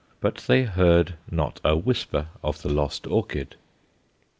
But they heard not a whisper of the lost orchid.